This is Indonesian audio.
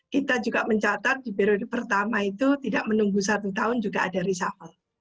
kita juga mencatat di periode pertama itu tidak menunggu satu tahun juga ada reshuffle